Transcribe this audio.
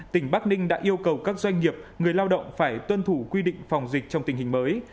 tỉnh bắc ninh đã yêu cầu các doanh nghiệp người lao động phải tuân thủ quy định phòng dịch trong tình hình mới